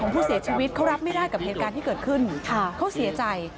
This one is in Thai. ผู้เสียชีวิตเขารับไม่ได้กับเหตุการณ์ที่เกิดขึ้นเขาเสียใจ